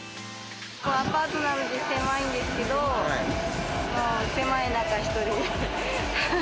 アパートなので狭いんですけど、狭い中、１人で。